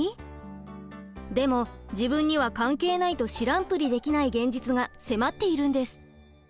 でも自分には関係ないと知らんぷりできない現実が迫っているんです。